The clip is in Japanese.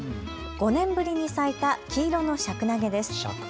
５年ぶりに咲いた黄色のシャクナゲです。